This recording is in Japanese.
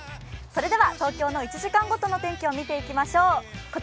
それでは、東京の１時間ごとの天気を見ていきましょう。